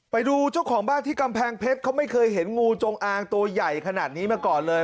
ไปดูเจ้าของบ้านที่กำแพงเพชรเขาไม่เคยเห็นงูจงอางตัวใหญ่ขนาดนี้มาก่อนเลย